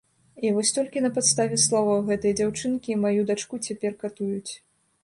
І вось толькі на падставе словаў гэтай дзяўчынкі маю дачку цяпер катуюць.